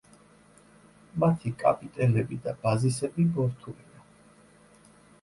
მათი კაპიტელები და ბაზისები მორთულია.